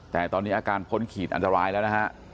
แต่ตอนนี้อาการพ้นขีดอันตรายแล้วนะฮะ